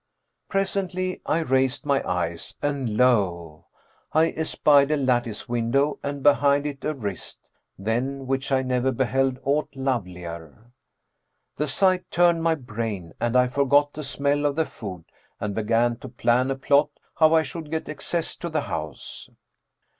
Presently, I raised my eyes and lo! I espied a lattice window and behind it a wrist, than which I never beheld aught lovelier. The sight turned my brain and I forgot the smell of the food and began to plan and plot how I should get access to the house.